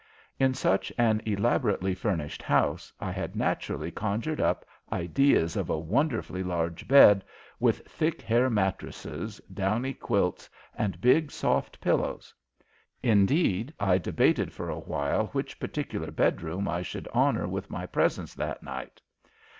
In such an elaborately furnished house I had naturally conjured up ideas of a wonderfully large bed, with thick hair mattresses, downy quilts, and big soft pillows. Indeed, I debated for a while which particular bedroom I should honor with my presence that night.